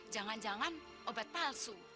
jangan jangan obat palsu